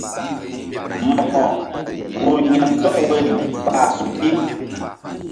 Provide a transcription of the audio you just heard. Mo̧ko ur ya̧ndɔk woyri ɓa suki.